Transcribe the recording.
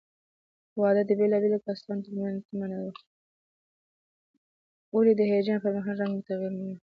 ولې د هیجان پر مهال رنګ مو تغییر مومي؟